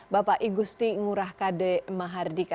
bapak igusti ngurahkade mahardika